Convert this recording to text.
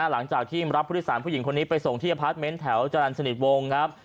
หลังจากที่รับผู้โดยสารผู้หญิงคนนี้ไปส่งที่อพาร์ทเมนต์แถวจรรย์สนิทวงครับ